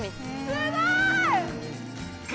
すごい！